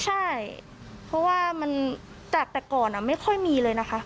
ใช่เพราะว่ามันจากแต่ก่อนไม่ค่อยมีเลยนะคะ